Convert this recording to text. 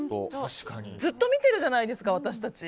ずっと見てるじゃないですか私たち。